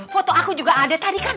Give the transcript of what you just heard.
foto aku juga ada tadi kan